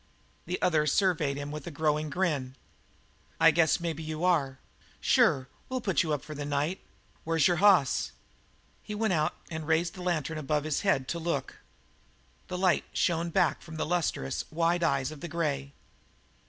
The other surveyed him with a growing grin. "I guess maybe you are. Sure, we'll put you up for the night. Where's your hoss?" He went out and raised the lantern above his head to look. The light shone back from the lustrous wide eyes of the grey.